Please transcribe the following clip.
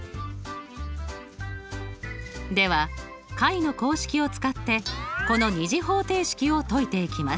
では解の公式を使ってこの２次方程式を解いていきます。